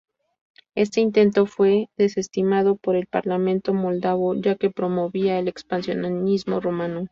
Este intento fue desestimado por el parlamento moldavo, ya que "promovía el expansionismo rumano".